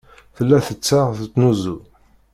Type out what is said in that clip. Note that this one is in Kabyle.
Tella tettaɣ teznuzu.